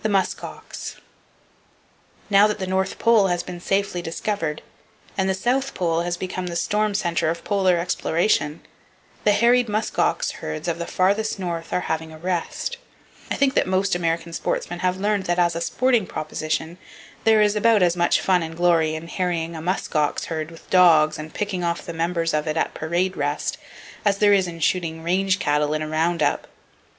The Musk Ox. —Now that the north pole has been safely discovered, and the south pole has become the storm center of polar exploration, the harried musk ox herds of the farthest north are having a rest. I think that most American sportsmen have learned that as a sporting proposition there is about as much fun and glory in harrying a musk ox herd with dogs, and picking off the members of it at "parade rest," as there is in shooting range cattle in a round up.